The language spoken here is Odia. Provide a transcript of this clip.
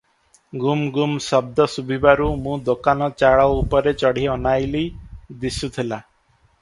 ଗୁମ୍ଗୁମ୍ ଶଦ୍ଦ ଶୁଭିବାରୁ ମୁଁ ଦୋକାନ ଚାଳ ଉପରେ ଚଢ଼ି ଅନାଇଲି, ଦିଶୁଥିଲା ।